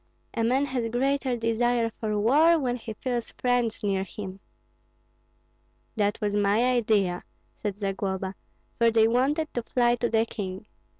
"A man has greater desire for war when he feels friends near him." "That was my idea," said Zagloba; "for they wanted to fly to the king.